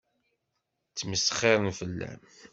Ttmesxiṛen fell-am.